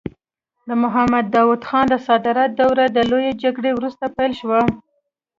د محمد داود خان د صدارت دوره د لويې جرګې وروسته پیل شوه.